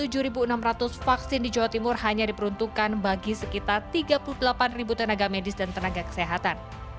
tujuh enam ratus vaksin di jawa timur hanya diperuntukkan bagi sekitar tiga puluh delapan tenaga medis dan tenaga kesehatan